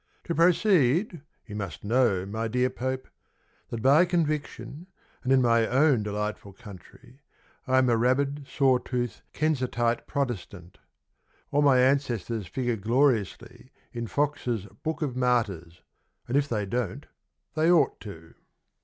To proceed, You must know, my dear Pope, That, by conviction And in my own delightful country, I am a rabid, saw toothed Kensitite Protestant; All my ancestors figure gloriously In Foxe's "Book of Martyrs," And, if they don't, they ought to.